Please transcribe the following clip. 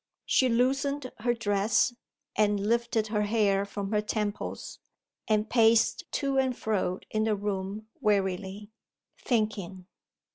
She loosened her dress, and lifted her hair from her temples and paced to and fro in the room wearily, thinking.